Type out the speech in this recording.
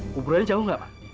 kuburannya jauh nggak pak